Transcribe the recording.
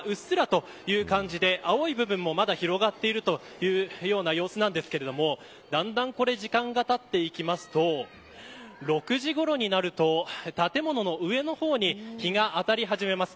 赤い所はうっすらという感じで青い部分もまだ広がっているという様子なんですけれどもだんだん時間がたっていくと６時ごろになると建物の上の方に日が当たり始めます。